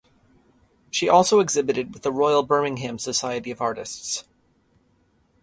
She also exhibited with the Royal Birmingham Society of Artists.